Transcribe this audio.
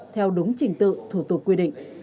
theo đúng trình tự thủ tục quy định